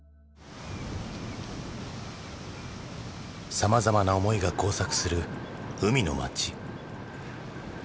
さまざまな思いが交錯する海の町。